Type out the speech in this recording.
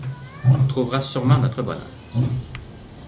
On trouvera sûrement notre bonheur.